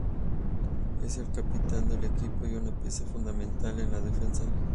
Es el capitán del equipo y una pieza fundamental en la defensa.